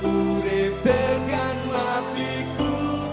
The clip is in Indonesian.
ure began matiku